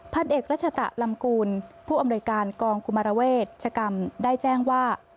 เอกรัชตะลำกูลผู้อำนวยการกองกุมารเวชกรรมได้แจ้งว่า